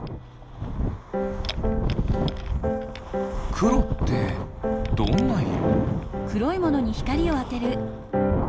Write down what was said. くろってどんないろ？